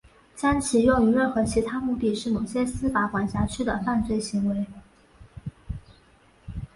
将其用于任何其他目的是某些司法管辖区的犯罪行为。